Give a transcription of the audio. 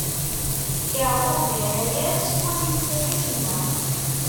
Yeɛqub irra-yas: Ur iyi-ttak acemma.